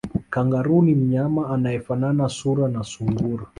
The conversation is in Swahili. Kangaroo ni mnyama anayefanana sura na sungura